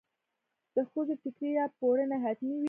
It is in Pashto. د ښځو ټیکری یا پړونی حتمي وي.